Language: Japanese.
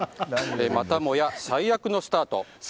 またもや最悪のスタート。